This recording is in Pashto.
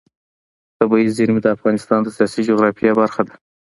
طبیعي زیرمې د افغانستان د سیاسي جغرافیه برخه ده.